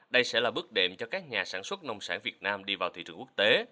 đây sẽ là bước đệm cho các nhà sản xuất nông sản việt nam đi vào thị trường quốc tế